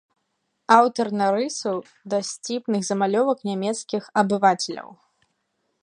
Аўтар нарысаў, дасціпных замалёвак нямецкіх абывацеляў.